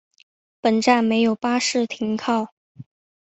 本站没有巴士停靠。